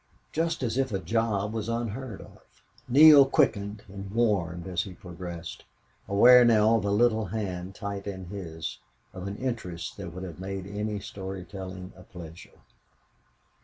Just as if a job was unheard of!" Neale quickened and warmed as he progressed, aware now of a little hand tight in his, of an interest that would have made any story telling a pleasure.